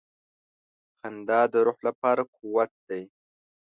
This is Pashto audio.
• خندا د روح لپاره قوت دی.